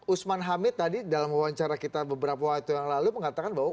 usman hamid tadi dalam wawancara kita beberapa waktu yang lalu mengatakan bahwa